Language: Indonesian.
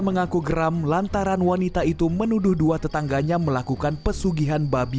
mengaku geram lantaran wanita itu menuduh dua tetangganya melakukan pesugihan babi